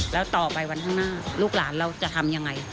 แล้วต่อไปวันข้างหน้าลูกหลานเราจะทำยังไง